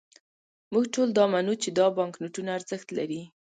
موږ ټول دا منو، چې دا بانکنوټونه ارزښت لري.